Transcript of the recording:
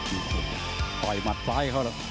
โอ้โหปล่อยหมัดซ้ายเขา